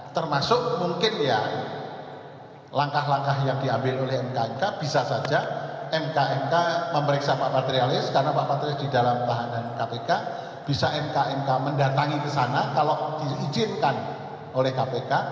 termasuk mungkin ya langkah langkah yang diambil oleh mknk bisa saja mknk memeriksa pak materialis karena pak materialis di dalam tahanan kpk bisa mknk mendatangi ke sana kalau diizinkan oleh kpk